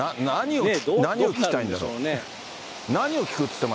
何を聞きたいんだろう。